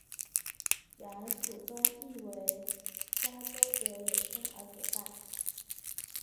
然蜀中亦为嘉州者有香而朵大。